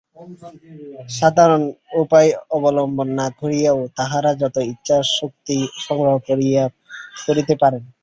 সাধারণ উপায় অবলম্বন না করিয়াও তাঁহারা যত ইচ্ছা শক্তি সংগ্রহ করিতে পারেন।